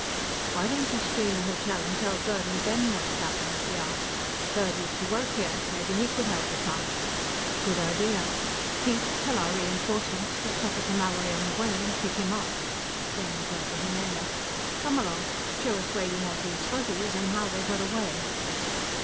"Why don't you screen the hotel and tell Gerd and Ben what's happened?" he asked. "Gerd used to work here; maybe he could help us hunt." "Good idea. Piet, tell our re enforcements to stop at the Mallory on the way and pick him up." Fane turned to Jimenez. "Come along; show us where you had these Fuzzies and how they got away."